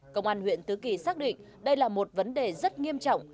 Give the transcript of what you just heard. công an huyện tứ kỳ xác định đây là một vấn đề rất nghiêm trọng